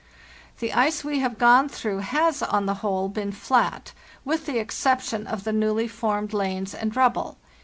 "The ice we have gone through has, on the whole, been flat, with the exception of the newly formed lanes and rubble.